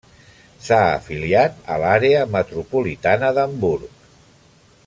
S'ha afiliat a l'Àrea metropolitana d'Hamburg.